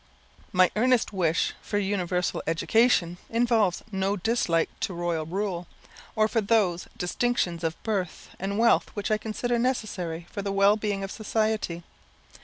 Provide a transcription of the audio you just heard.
My earnest wish for universal education involves no dislike to royal rule, or for those distinctions of birth and wealth which I consider necessary for the well being of society.